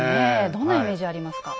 どんなイメージありますか？